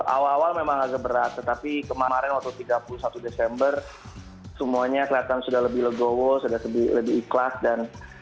awal awal memang agak berat tetapi kemarin waktu tiga puluh satu desember semuanya kelihatan sudah lebih legowo sudah lebih ikhlas dan